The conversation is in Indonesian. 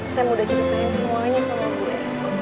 sam udah ceritain semuanya sama gue